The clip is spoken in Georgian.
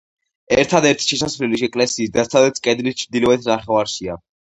ერთადერთი შესასვლელი ეკლესიის დასავლეთ კედლის ჩრდილოეთ ნახევარშია.